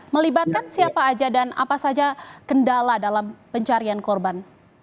melibatkan siapa saja dan apa saja kendala dalam pencarian korban